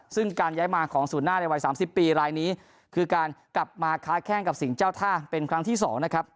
ซึ่งการย้ายมาของศูนย์หน้าในวัย๓๐ปีรายนี้คือการกลับมาค้าแข้งกับสิ่งเจ้าท่าเป็นครั้งที่๒นะครับ